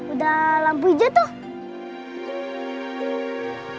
udah lampu hijau tuh